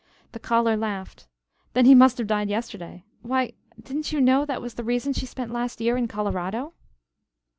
The caller laughed. "Then he must have died yesterday. Why, didn't you know that was the reason she spent last year in Colorado?"